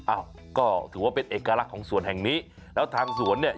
อ้าวก็ถือว่าเป็นเอกลักษณ์ของสวนแห่งนี้แล้วทางสวนเนี่ย